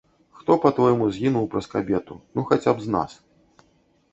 Хто, па-твойму, згінуў праз кабету, ну хаця б з нас.